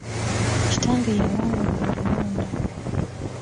Kitange yawangudde okulonda.